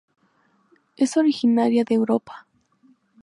Es originaria de Europa.